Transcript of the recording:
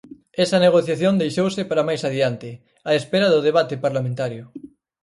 Esa negociación deixouse para máis adiante, á espera do debate parlamentario.